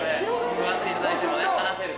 座っていただいても話せる。